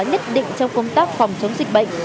nhất định trong công tác phòng chống dịch bệnh